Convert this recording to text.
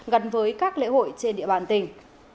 gần với các lễ hội trên địa bàn tỉnh